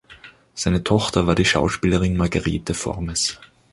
Seine Tochter war die Schauspielerin Margarethe Formes.